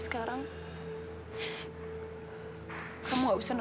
aku apercaya beste untuk jauh istri kau